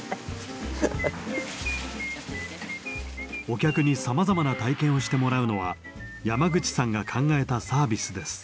お客にさまざまな体験をしてもらうのは山口さんが考えたサービスです。